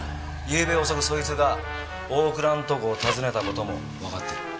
ゆうべ遅くそいつが大倉のとこを訪ねた事もわかってる。